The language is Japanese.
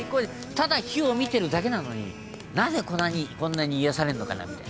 「ただ火を見てるだけなのになぜこんなに癒やされるのかなみたいな」